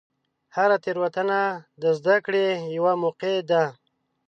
هره تېروتنه د زدهکړې یوه موقع ده.